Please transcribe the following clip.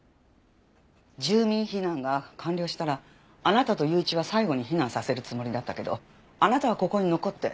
住民避難が完了したらあなたと雄一は最後に避難させるつもりだったけどあなたはここに残って。